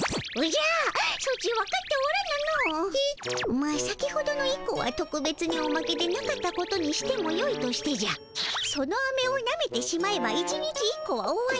まあ先ほどの１個はとくべつにおまけでなかったことにしてもよいとしてじゃそのアメをなめてしまえば１日１個は終わり。